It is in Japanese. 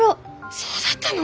そうだったの？